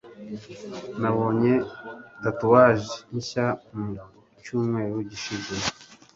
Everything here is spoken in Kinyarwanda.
Nabonye tatouage nshya mu cyumweru gishize